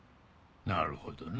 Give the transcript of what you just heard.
なるほどな。